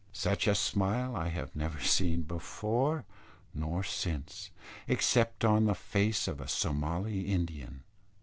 Such a smile I have never seen before nor since, except on the face of a Somali Indian.